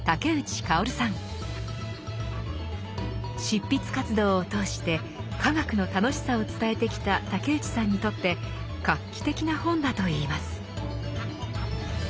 執筆活動を通して科学の楽しさを伝えてきた竹内さんにとって画期的な本だといいます。